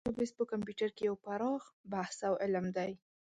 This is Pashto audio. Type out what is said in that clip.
ډیټابیس په کمپیوټر کې یو پراخ بحث او علم دی.